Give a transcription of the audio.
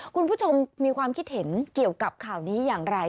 คุณผู้ชมมีความคิดเห็นเกี่ยวกับข่าวนี้อย่างไร